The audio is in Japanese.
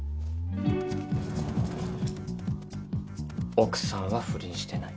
奥さんは不倫してない。